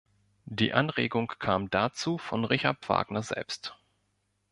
Die Anregung kam dazu von Richard Wagner selbst.